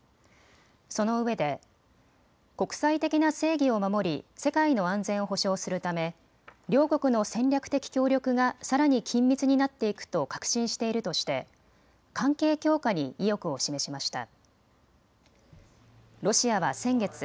そのうえで国際的な正義を守り世界の安全を保障するため両国の戦略的協力がさらに緊密になっていくと確信しているとして関係強化に意欲を示しました。